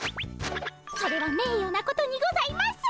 それはめいよなことにございます！